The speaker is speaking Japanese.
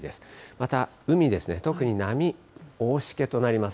また、海ですね、特に波、大しけとなります。